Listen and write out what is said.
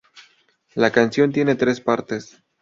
La canción tiene tres partes.